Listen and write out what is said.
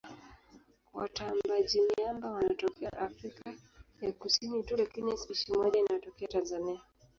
Watambaaji-miamba wanatokea Afrika ya Kusini tu lakini spishi moja inatokea Tanzania.